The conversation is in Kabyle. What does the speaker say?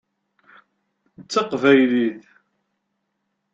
D taqbaylit.